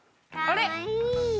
あれ？